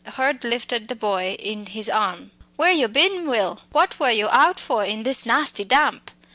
Hurd lifted the boy in his arm. "Where you bin, Will? What were yo out for in this nasty damp?